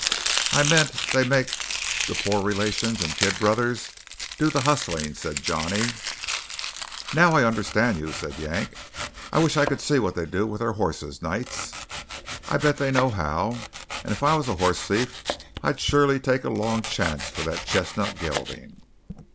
"I meant they make the poor relations and kid brothers do the hustling," said Johnny. "Now I understand you," said Yank. "I wish I could see what they do with their hosses nights. I bet they know how. And if I was a hoss thief, I'd surely take a long chance for that chestnut gelding."